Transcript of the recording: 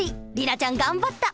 莉奈ちゃん頑張った。